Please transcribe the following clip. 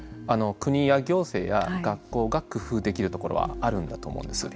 国や行政や学校が工夫できるところはあるんだと思うんです。